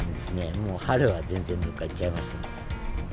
もう春は全然どっかいっちゃいました。